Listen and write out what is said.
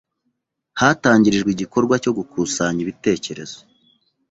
hatangirijwe igikorwa cyo gukusanya ibitekerezo